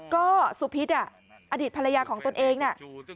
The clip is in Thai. ก็สุพิษอดีตภรรยาของตนเองน่ะ